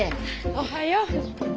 おはよう。